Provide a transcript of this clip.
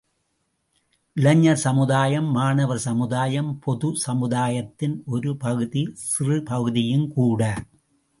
இளைஞர் சமுதாயம், மாணவர் சமுதாயம், பொதுச் சமுதாயத்தின் ஒரு பகுதி சிறு பகுதியும் கூட.